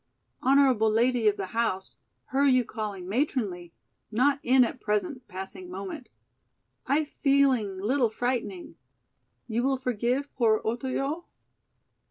Honorable lady of the house, her you calling 'matronly,' not in at present passing moment. I feeling little frighting. You will forgive poor Otoyo?"